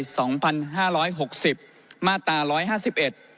สองพันห้าร้อยหกสิบมาตราร้อยห้าสิบเอ็ด